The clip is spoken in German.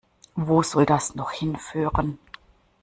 Wo soll das noch hinführen?